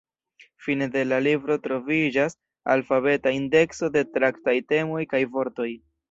Fine de la libro troviĝas alfabeta indekso de traktataj temoj kaj vortoj.